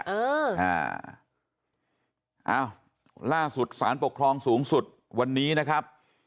เอออ่าอ้าวล่าสุดสารปกครองสูงสุดวันนี้นะครับ